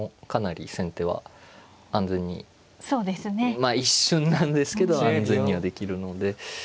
まあ一瞬なんですけど安全にはできるので。